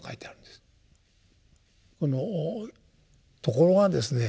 ところがですね